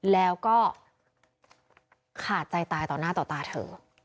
แล้วก็ขาดใจตายต่อหน้าต่อตาเธอ